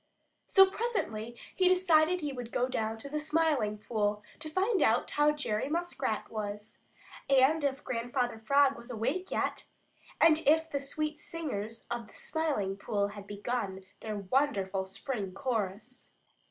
So presently he decided that he would go down to the Smiling Pool to find out how Jerry Muskrat was, and if Grandfather Frog was awake yet, and if the sweet singers of the Smiling Pool had begun their wonderful spring chorus.